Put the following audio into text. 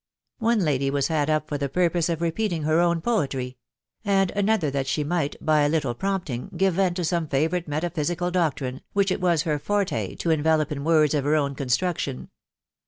One lady was had up for the purpose of repeating her own poetry ; and another that she might, by a little prompting, give vent to some favourite metaphysical doctrine, which it was her forte to envelope in words of her own con struction.